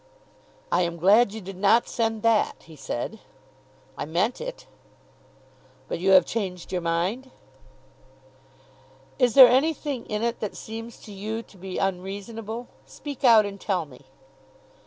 "I am glad you did not send that," he said. "I meant it." "But you have changed your mind?" "Is there anything in it that seems to you to be unreasonable? Speak out and tell me."